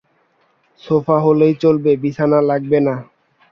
Sofa হলেই চলবে, বিছানা লাগবে না।